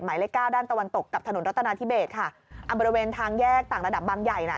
เลขเก้าด้านตะวันตกกับถนนรัฐนาธิเบสค่ะอ่าบริเวณทางแยกต่างระดับบางใหญ่น่ะ